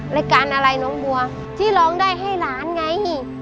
รายการอะไรน้องบัวที่ร้องได้ให้หลานไง